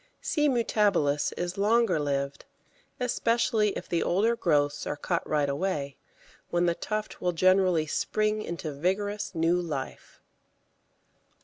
C. mutabilis is longer lived, especially if the older growths are cut right away, when the tuft will generally spring into vigorous new life.